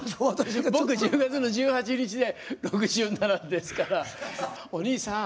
僕１０月の１８日で６７ですからおにいさん。